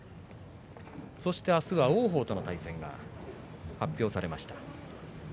そして明日は王鵬との対戦が発表されました。